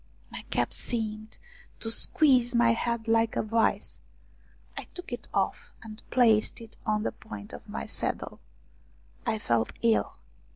My cap seemed to squeeze my head like a vice. I took it off and placed it on the point of my saddle. I felt ill.